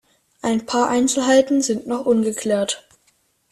Ein paar Einzelheiten sind noch ungeklärt.